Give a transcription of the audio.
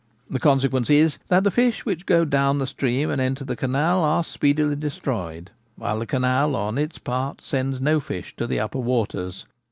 The consequence is that the fish which go down the stream and enter the canal are speedily destroyed, while the canal on its part sends no fish to the upper waters.